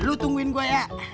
lo tungguin gue ya